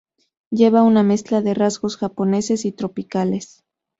Lleva una mezcla de rasgos japoneses y tropicales.